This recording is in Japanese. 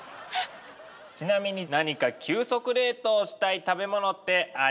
ちなみに何か急速冷凍したい食べ物ってありますか？